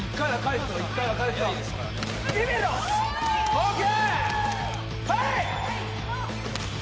ＯＫ！